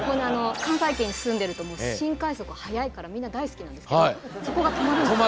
関西圏に住んでるともう新快速速いからみんな大好きなんですけどそこが停まるんですよ。